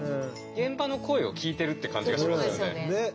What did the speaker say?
現場の声を聞いてるっていう感じがしますよね。